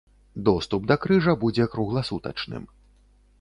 Доступ да крыжа будзе кругласутачным.